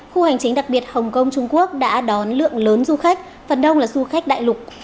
khu hành chính đặc biệt hồng kông trung quốc đã đón lượng lớn du khách phần đông là du khách đại lục